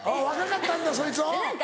若かったんだそいつは。